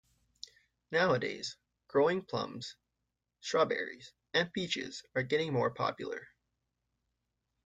Nowadays, growing plums, strawberries, and peaches are getting more popular.